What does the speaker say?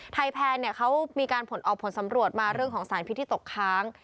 แพนเขามีการออกผลสำรวจมาเรื่องของสารพิษที่ตกค้าง